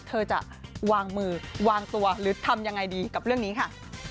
เธอจะวางมือวางตัวหรือทำยังไงดีกับเรื่องนี้ค่ะ